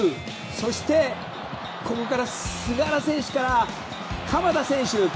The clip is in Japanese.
そして、ここから菅原選手から鎌田選手。